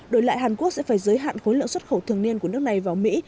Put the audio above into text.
đổi lại hàn quốc sẽ phải giới hạn khối lượng xuất khẩu thường niên của nước này vào mỹ